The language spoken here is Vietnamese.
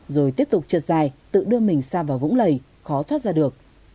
rồi tiếp tục trượt dài tự đưa mình xa vào vũng lầy khó thoát ra được